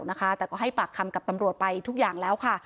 แต่ก็ให้ปากคำกับตำรวจไปทุกอย่างแล้วค่ะ